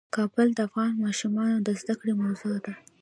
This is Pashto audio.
کابل د افغان ماشومانو د زده کړې موضوع ده.